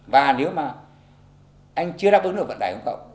và nếu mà anh chưa đáp ứng được vận tài hướng cộng